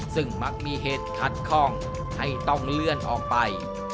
ซึ่งมักมีเหตุขัดข้องให้ต้องเลื่อนออกไป